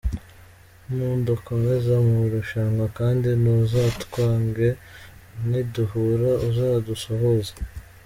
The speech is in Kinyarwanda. Nudakomeza mu irushanwa kandi ntuzatwange, niduhura uzadusuhuze,.